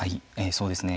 そうですね。